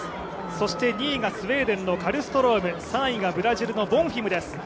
そして２位がスウェーデンのカルストローム、３位がブラジルのボンフィムです。